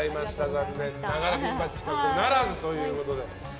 残念ながらピンバッジ獲得ならずということで。